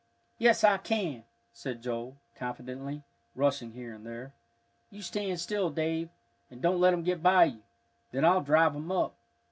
"Yes, I can," said Joel, confidently, rushing here and there. "You stand still, Dave, and don't let 'em get by you. Then I'll drive 'em up."